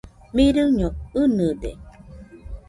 Mirɨño ɨnɨde.